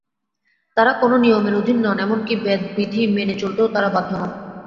তাঁরা কোন নিয়মের অধীন নন, এমন কি বেদবিধি মেনে চলতেও তাঁরা বাধ্য নন।